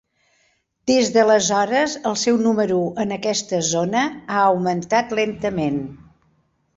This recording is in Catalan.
Des d'aleshores, el seu número en aquesta zona ha augmentat lentament.